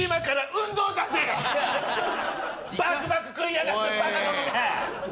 バクバク食いやがってバカどもが！